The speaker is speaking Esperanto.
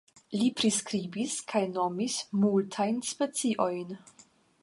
Li priskribis kaj nomis multajn speciojn.